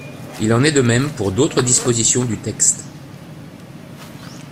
Il en est de même pour d’autres dispositions du texte.